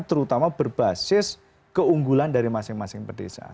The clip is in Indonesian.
terutama berbasis keunggulan dari masing masing pedesaan